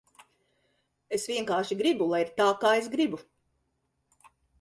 Es vienkārši gribu, lai ir tā, kā es gribu.